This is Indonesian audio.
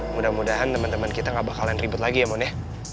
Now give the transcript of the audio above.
mudah mudahan temen temen kita gak bakalan ribet lagi ya mon ya